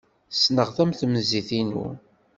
Ssneɣ-t am temzit-inu.